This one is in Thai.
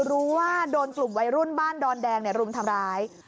รู้ว่าโดนกลุ่มวัยรุ่นบ้านดอนแดงรุมทำร้าย